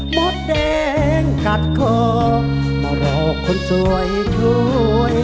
มดแดงกัดคอมารอคนสวยช่วย